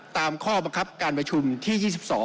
ตามข้อบังคับการประชุมที่๒๒